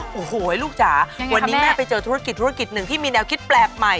โอ้โหลูกจ๋าวันนี้แม่ไปเจอธุรกิจธุรกิจหนึ่งที่มีแนวคิดแปลกใหม่